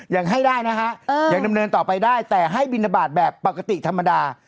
ยังให้ได้นะฮะยังดำเนินต่อไปได้แต่ให้บินทบาทแบบปกติธรรมดา